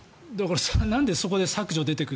なんでそこで削除が出てくる。